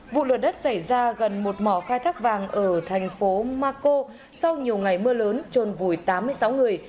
vụ lửa đất xảy ra gần một mỏ khai thác vàng ở thành phố mako sau nhiều ngày mưa lớn trồn vùi tám mươi sáu người